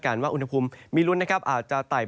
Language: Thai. ก็จะมีการแผ่ลงมาแตะบ้างนะครับ